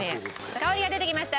香りが出てきました。